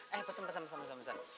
eh pesan pesan pesan